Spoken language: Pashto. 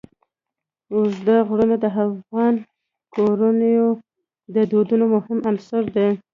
اوږده غرونه د افغان کورنیو د دودونو مهم عنصر دی.